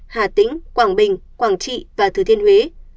hà tĩnh quảng bình quảng trị và thừa thiên huế